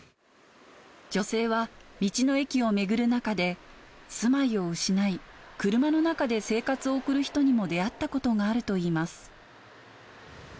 女性は、道の駅を巡る中で、住まいを失い、車の中で生活を送る人にも出会ったことがあるといいます。